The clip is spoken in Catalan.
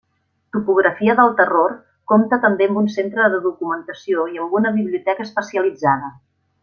Topografia del Terror compta també amb un centre de documentació i amb una biblioteca especialitzada.